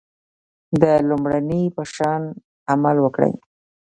د لومړني په شان عمل وکړئ.